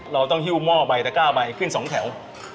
เราต้องหิ้วหม้อใบตะก้าใบขึ้น๒แถว